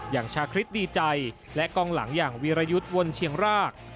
ชาคริสดีใจและกล้องหลังอย่างวีรยุทธ์วนเชียงราก